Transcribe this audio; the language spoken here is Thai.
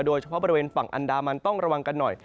โดยเฉพาะบริเวณฝั่งอันดามันต้องระวังกันหน่อย